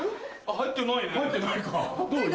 入ってないね。